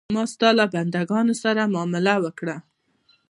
ما ستا له بندګانو سره معامله وکړه.